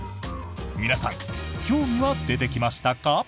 皆さん、興味は出てきましたか？